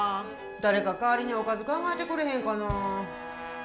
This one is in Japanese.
誰か代わりにおかず考えてくれへんかな。